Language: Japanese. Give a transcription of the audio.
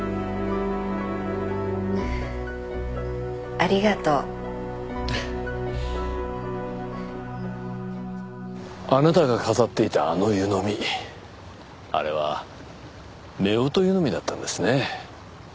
ありがとうあなたが飾っていたあの湯飲みあれはめおと湯飲みだったんですね